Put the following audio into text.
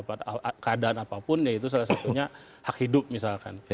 karena keadaan apapun itu salah satunya hak hidup misalkan